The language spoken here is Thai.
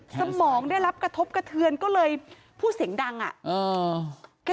สมองได้รับกระทบกระเทือนก็เลยพูดเสียงดังอ่ะ